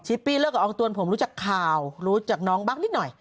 ชิปปี้เลือกกับองค์ตัวนผมรู้จักข่าวรู้จักน้องบั๊กนิดหน่อย